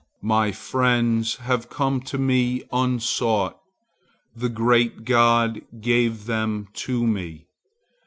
My friends have come to me unsought. The great God gave them to me.